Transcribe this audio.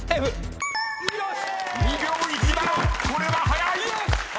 ［これは早い！］